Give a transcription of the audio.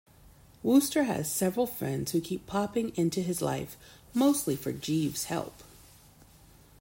Wooster has several friends who keep popping into his life, mostly for Jeeves' help.